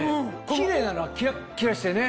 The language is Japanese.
キレイなのがキラッキラしてね！